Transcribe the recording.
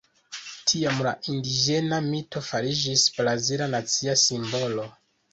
Tiam la indiĝena mito fariĝis brazila nacia simbolo.